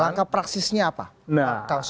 langkah praksisnya apa